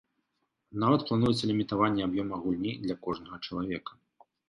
Нават плануецца лімітаванне аб'ёма гульні для кожнага чалавека.